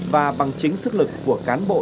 và bằng chính sức lực của cán bộ